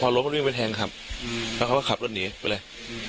รถมันวิ่งไปแทงขับแล้วเขาก็ขับรถหนีไปเลย